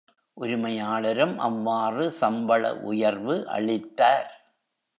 உரிமையாளரும் அவ்வாறு சம்பள உயர்வு அளித்தார்.